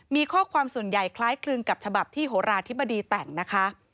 มีข้อความส่วนใหญ่คล้ายคลึงกับฉบับที่โหราธิบดีแต่งนะคะ